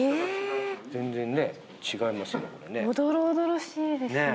全然ね違いますよ